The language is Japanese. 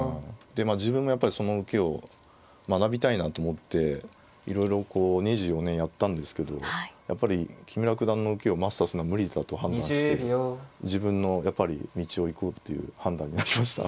でまあ自分もやっぱりその受けを学びたいなと思っていろいろこう２４年やったんですけどやっぱり木村九段の受けをマスターするのは無理だと判断して自分のやっぱり道を行こうという判断になりました。